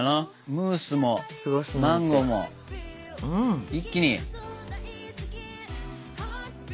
ムースもマンゴーも一気に。